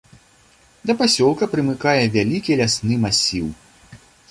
Да пасёлка прымыкае вялікі лясны масіў.